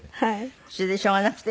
それでしょうがなくて。